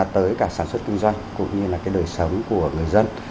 tới cả sản xuất kinh doanh cũng như đời sống của người dân